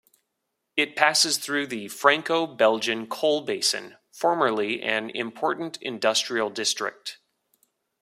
It passes through the Franco-Belgian coal basin, formerly an important industrial district.